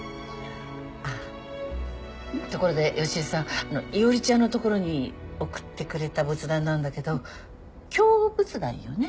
あっところで良恵さん伊織ちゃんの所に送ってくれた仏壇なんだけど京仏壇よね？